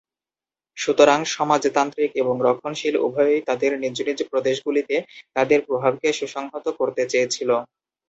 সুতরাং সমাজতান্ত্রিক এবং রক্ষণশীল উভয়ই তাদের নিজ নিজ প্রদেশগুলিতে তাদের প্রভাবকে সুসংহত করতে চেয়েছিল।